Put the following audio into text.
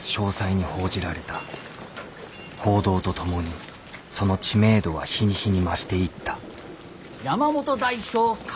報道とともにその知名度は日に日に増していった「山本代表語る」！